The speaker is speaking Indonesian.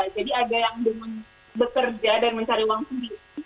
jadi ada yang bekerja dan mencari uang sendiri